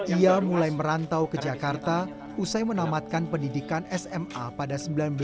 ia mulai merantau ke jakarta usai menamatkan pendidikan sma pada seribu sembilan ratus sembilan puluh